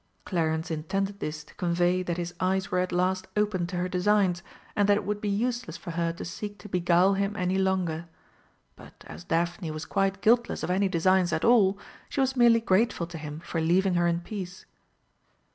Clarence intended this to convey that his eyes were at last open to her designs, and that it would be useless for her to seek to beguile him any longer. But as Daphne was quite guiltless of any designs at all, she was merely grateful to him for leaving her in peace.